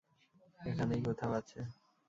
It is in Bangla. এখানেই কোথাও আছে!